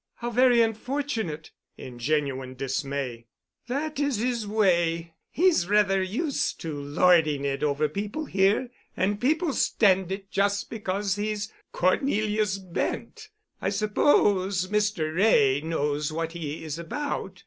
"How very unfortunate!" in genuine dismay. "That is his way. He's rather used to lording it over people here. And people stand it just because he's Cornelius Bent. I suppose Mr. Wray knows what he is about.